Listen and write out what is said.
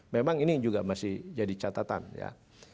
memang ini juga masih jadi catatan ya